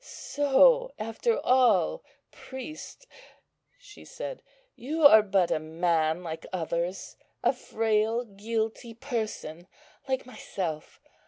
"So after all, priest," she said, "you are but a man like others; a frail, guilty person like myself.